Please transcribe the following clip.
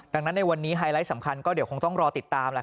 ดังนั้นในวันนี้ไฮไลท์สำคัญก็เดี๋ยวคงต้องรอติดตาม